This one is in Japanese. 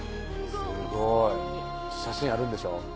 すごい写真あるんでしょ？